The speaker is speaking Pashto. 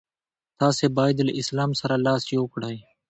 تاسي باید له اسلام سره لاس یو کړئ.